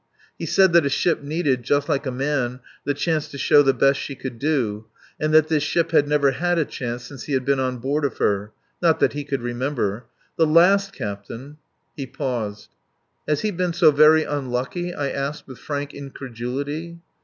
He said that a ship needed, just like a man, the chance to show the best she could do, and that this ship had never had a chance since he had been on board of her. Not that he could remember. The last captain. ... He paused. "Has he been so very unlucky?" I asked with frank incredulity.